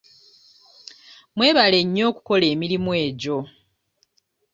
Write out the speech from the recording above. Mwebale nnyo okukola emirimu egyo.